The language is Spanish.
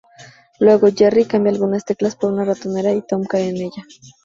Luego, Jerry cambia algunas teclas por una ratonera y Tom cae en ella.